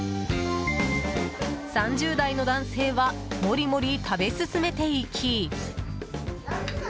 ３０代の男性はモリモリ食べ進めていき。